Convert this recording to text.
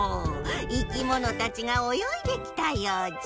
生きものたちがおよいできたようじゃ。